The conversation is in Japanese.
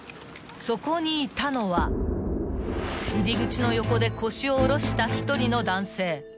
そこにいたのは入り口の横で腰を下ろした１人の男性］